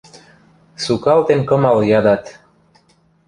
Сукалтен кымал ядат: